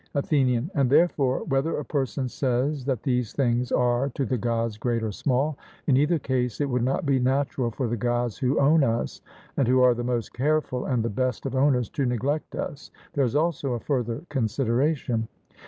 ATHENIAN: And, therefore, whether a person says that these things are to the Gods great or small in either case it would not be natural for the Gods who own us, and who are the most careful and the best of owners, to neglect us. There is also a further consideration.